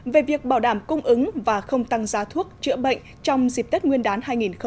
về việc bảo đảm cung ứng và không tăng giá thuốc chữa bệnh trong dịp tết nguyên đán hai nghìn hai mươi